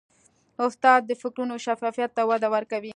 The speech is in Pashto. استاد د فکرونو شفافیت ته وده ورکوي.